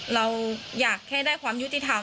เราอยากแค่ได้ความยุติธรรม